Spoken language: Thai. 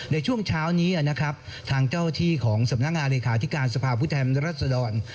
ในช่วงเช้านี้นะครับทางเจ้าที่ของสำนักงานเลขาธิการสภาพผู้แทนรัศดร